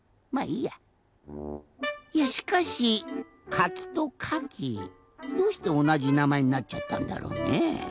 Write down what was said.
いやしかし「かき」と「かき」どうしておなじなまえになっちゃったんだろうね？